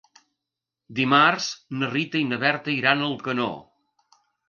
Dimarts na Rita i na Berta iran a Alcanó.